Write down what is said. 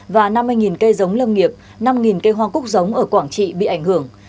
và năm mươi cây giống lâm nghiệp năm cây hoa cúc giống ở quảng trị bị ảnh hưởng